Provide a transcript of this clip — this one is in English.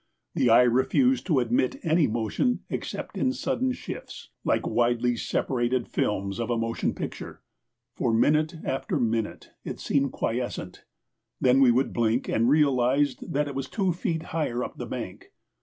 The eye refused to admit any motion except in sudden shifts, like widely separated films of a motion picture. For minute after minute it seemed quiescent; then we would blink and realize that it was two feet higher up the bank.